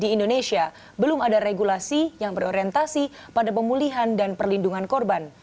di indonesia belum ada regulasi yang berorientasi pada pemulihan dan perlindungan korban